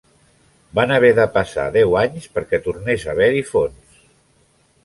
Van haver de passar deu anys perquè tornés a haver-hi fons.